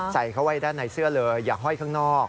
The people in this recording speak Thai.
ใส่เขาไว้ด้านในเสื้อเลยอย่าห้อยข้างนอก